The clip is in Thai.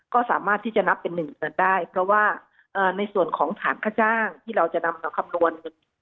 ก็สามารถที่จะนับเป็นหนึ่งเงินได้เพราะว่าในส่วนของฐานค่าจ้างที่เราจะนำมาคำนวณ